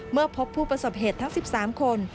เมื่อพบผู้ประสบเหตุทั้ง๑๓คน